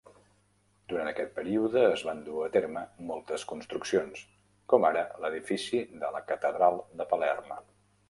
Durant aquest període es van dur a terme moltes construccions, com ara l'edifici de la Catedral de Palerm.